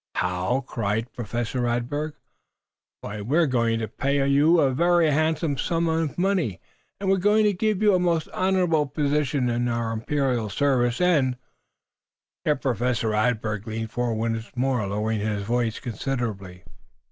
"How?" cried Professor Radberg. "Why we are going to pay you a very handsome sum of money, and we are going to give you a most honorable position in our imperial service. And " Here Professor Radberg leaned forward once more, lowering his voice considerably.